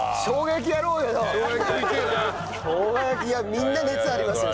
みんな熱ありますよ